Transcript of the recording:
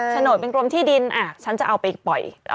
โฉนดเป็นกรมที่ดินฉันจะเอาไปปล่อย